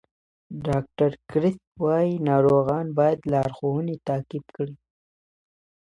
ډاکټر کریسپ وایي ناروغان باید لارښوونې تعقیب کړي.